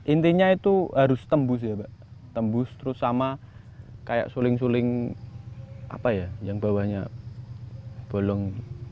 intinya itu harus tembus ya pak tembus terus sama kayak suling suling apa ya yang bawahnya bolong